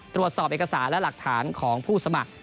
ตรวจสอบเอกสารและหลักฐานของผู้สมัคร